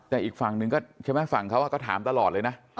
แต่อีกฝั่งหนึ่งก็ใช่ไหมฝั่งเขาก็ถามตลอดเลยนะ